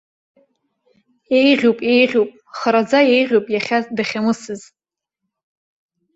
Еиӷьуп, еиӷьуп, хараӡа еиӷьуп иахьа дахьамысыз.